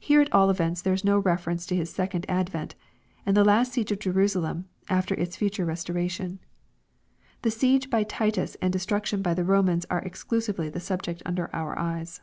Here at all events there is no reference to His second ad vent, and the last siege of Jerusalem, after its future restoration. The siege by Titus and destruction by the Romans are exclusively the subject under our eyes.